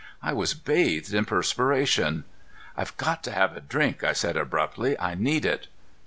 I was bathed in perspiration. "I've got to have a drink," I said abruptly. "I need it."